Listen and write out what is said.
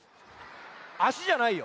あしじゃないよ。